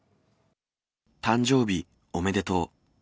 誕生日おめでとう。